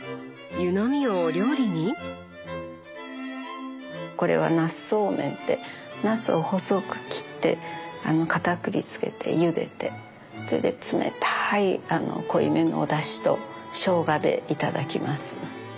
湯飲みをお料理に⁉これはなすそうめんってなすを細く切ってかたくりつけてゆでてそれで冷たい濃いめのおだしとしょうがでいただきますね。